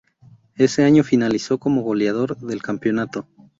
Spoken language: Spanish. Ese año, finalizó como goleador del campeonato.